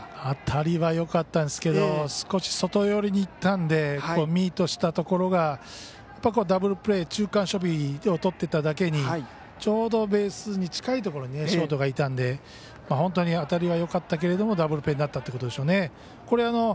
当たりはよかったんですが少し外寄りにいったんでミートしたところがダブルプレー中間守備をとっていただけにちょうどベースに近いところにショートがいたんで本当に当たりはよかったけれどもダブルプレーになったということでしょうね。